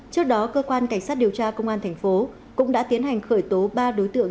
trước đó cơ quan cảnh sát điều tra công an thành phố cũng đã tiến hành khởi tố ba đối tượng